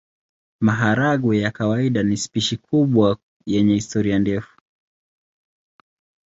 Maharagwe ya kawaida ni spishi kubwa yenye historia ndefu.